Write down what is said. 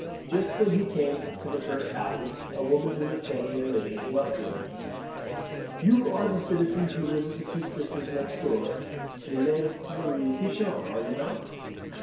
Just when he came to the first houses a woman, who was standing there knitting, came up to him. "You are the citizen who lives with his two sisters next door to La Mere Pichon, are you not?"